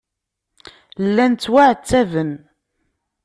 Llan ttwaɛettaben.